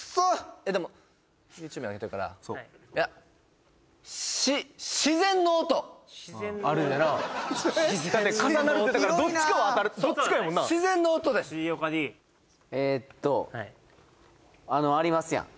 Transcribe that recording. えっでもＹｏｕＴｕｂｅに上げてるからいや自然の音？だって「重なる」って言ってたからどっちかは当たるどっちかやもんな自然の音です重岡Ｄえっとあのありますやん？